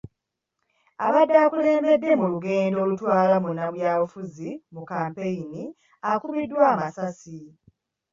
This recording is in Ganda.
Abadde akulembedde mu lugendo olutwala munnabyabufuzi mu kampeyini akubiddwa amasasi.